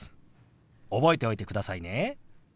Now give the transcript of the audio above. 覚えておいてくださいね。